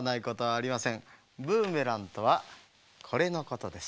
ブーメランとはこれのことです。